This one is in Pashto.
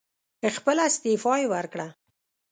خپله استعفی یې ورکړه.